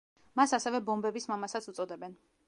მას ასევე ბომბების მამასაც უწოდებენ.